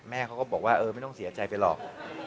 แม่เขาก็บอกว่าเออไม่ต้องเสียใจไปหรอก